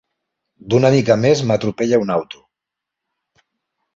D'una mica més m'atropella un auto.